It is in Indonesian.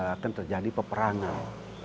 akan terjadi peperangan